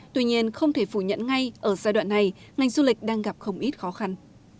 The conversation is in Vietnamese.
tuy nhiên không thể phủ nhận ngay ở giai đoạn này ngành du lịch đang gặp không ít khó khăn